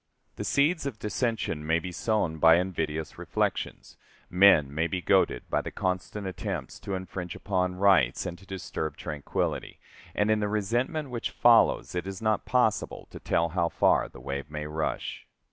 The seeds of dissension may be sown by invidious reflections. Men may be goaded by the constant attempts to infringe upon rights and to disturb tranquillity, and in the resentment which follows it is not possible to tell how far the wave may rush.